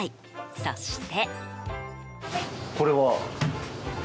そして。